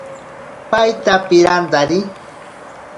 Paita pirantari.